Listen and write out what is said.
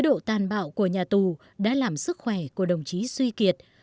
chế độ tàn bạo của nhà tù đã làm sức khỏe của đồng chí suy kiệt